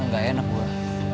gak enak gue